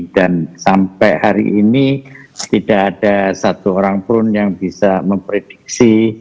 sampai hari ini tidak ada satu orang pun yang bisa memprediksi